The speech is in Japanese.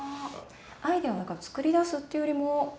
アイデアを作り出すというよりも。